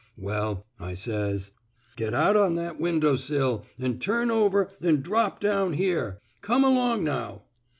* Well,' I says, * get out on that win dow sill, an' turn over an' drop down here. Come along now.'